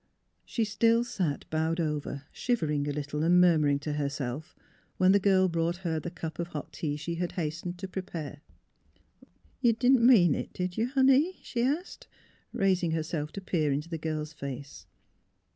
She still sat bowed over, shivering a little and 90 THE HEAET OF PHILURA murmuring to herself, when the girl brought her the cup of hot tea she had hastened to prepare. " You — didn't mean it, did you, honey? " she asked, raising herself to peer into the girl's face.